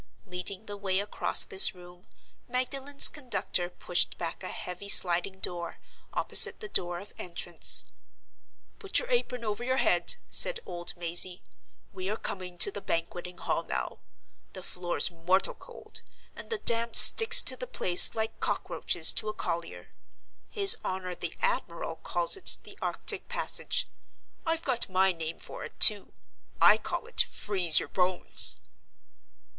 Leading the way across this room, Magdalen's conductor pushed back a heavy sliding door, opposite the door of entrance. "Put your apron over your head," said old Mazey. "We are coming to the Banqueting Hall now. The floor's mortal cold, and the damp sticks to the place like cockroaches to a collier. His honor the admiral calls it the Arctic Passage. I've got my name for it, too—I call it, Freeze your Bones."